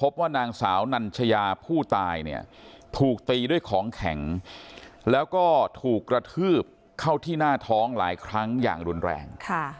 พบว่านางสาวนัญชยาผู้ตายเนี่ยถูกตีด้วยของแข็งแล้วก็ถูกกระทืบเข้าที่หน้าท้องหลายครั้งอย่างรุนแรง